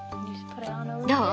どう？